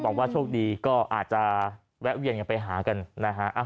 บอกว่าโชคดีก็อาจจะแวะเวียนกันไปหากันนะฮะ